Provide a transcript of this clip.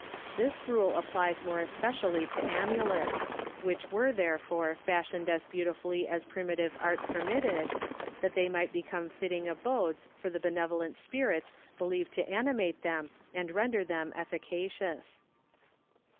This rule applies more especially to amulets, which were therefore fashioned as beautifully as primitive art permitted, that they might become fitting abodes for the benevolent spirits believed to animate them and render them efficacious.